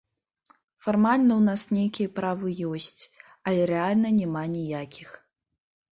Фармальна ў нас нейкія правы ёсць, але рэальна няма ніякіх.